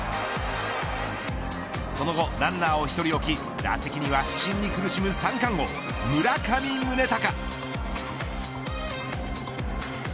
その後ランナーを１人おき打席には不振に苦しむ三冠王、村上宗隆。